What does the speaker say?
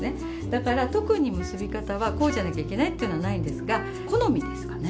だから特に結び方はこうじゃなきゃいけないっていうのはないんですが好みですかね。